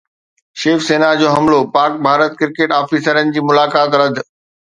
شيو سينا جو حملو، پاڪ-ڀارت ڪرڪيٽ آفيسرن جي ملاقات رد